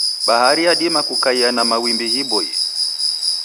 Bahari yadima kukaia na mawimbi ghiboie.